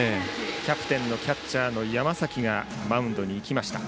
キャプテンでキャッチャーの山崎がマウンドに行きました。